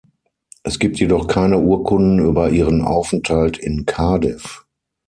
Es gibt jedoch keine Urkunden über ihren Aufenthalt in Cardiff.